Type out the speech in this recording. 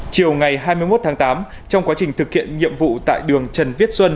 chiều ngày hai mươi một tháng tám trong quá trình thực hiện nhiệm vụ tại đường trần viết xuân